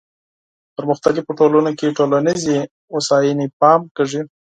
په پرمختللو ټولنو کې ټولنیزې هوساینې پام کیږي.